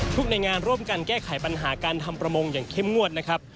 ในงานร่วมกันแก้ไขปัญหาการทำประมงอย่างเข้มงวดนะครับ